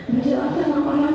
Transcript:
berjalan tenang malam